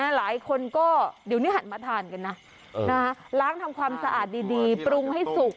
หลายคนก็เดี๋ยวนี้หันมาทานกันนะล้างทำความสะอาดดีปรุงให้สุก